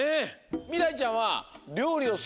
みらいちゃんはりょうりをするのがすきなの？